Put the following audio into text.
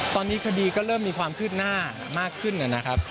ตอนนี้คดีก็เริ่มมีความคืบหน้ามากขึ้นนะครับ